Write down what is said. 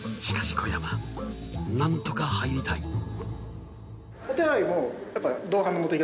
しかし小山なんとか入りたい。